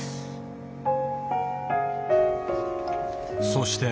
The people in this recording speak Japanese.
そして。